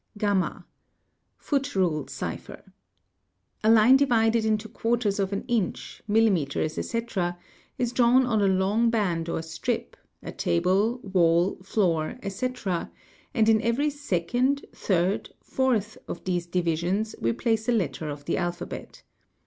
(y) Foot rule cipher :—A line divided into quarters of an inch, milli "Metres, etc., is drawn on a long band or strip, a table, wall, floor, etc., and 3 in every second, third, fourth of these divisions we place a letter of the wiphabet.